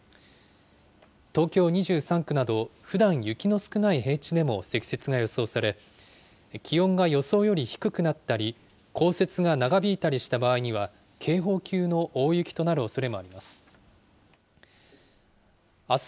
東京２３区など、ふだん雪の少ない平地でも積雪が予想され、気温が予想より低くなったり、降雪が長引いたりした場合には、警報級の大雪となるおそれもあります。